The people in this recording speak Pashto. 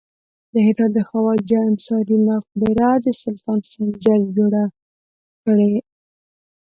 د هرات د خواجه انصاري مقبره د سلطان سنجر جوړه کړې